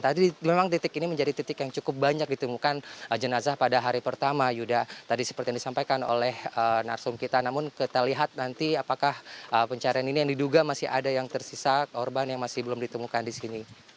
tadi memang titik ini menjadi titik yang cukup banyak ditemukan jenazah pada hari pertama yuda tadi seperti yang disampaikan oleh narsum kita namun kita lihat nanti apakah pencarian ini yang diduga masih ada yang tersisa korban yang masih belum ditemukan di sini